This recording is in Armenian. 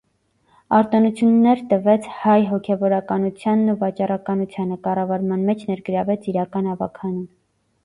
Արտոնություններ տվեց հայ հոգևորականությանն ու վաճառականությանը, կառավարման մեջ ներգրավեց իրանական ավագանուն։